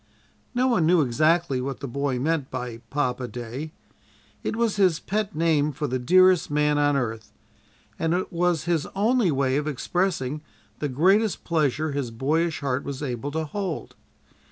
No one knew exactly what the boy meant by papa day. It was his pet name for the dearest man on earth, and it was his only way of expressing the greatest pleasure his boyish heart was able to hold.